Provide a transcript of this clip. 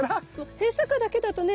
閉鎖花だけだとね